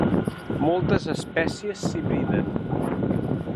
Moltes espècies s'hibriden.